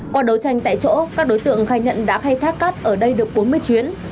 qua đấu tranh tại chỗ các đối tượng khai nhận đã khai thác cát ở đây được bốn mươi chuyến